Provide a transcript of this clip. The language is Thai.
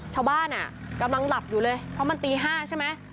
ชาวบ้านกำลังหลับอยู่เลยเพราะมันตี๕ใช่ไหม